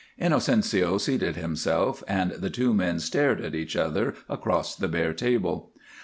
Inocencio seated himself, and the two men stared at each other across the bare table.